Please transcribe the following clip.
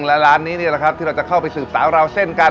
และร้านนี้นี่แหละครับที่เราจะเข้าไปสืบสาวราวเส้นกัน